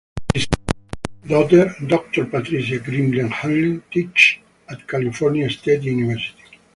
His eldest daughter, Doctor Patricia Grizzle-Huling, teaches at California State University.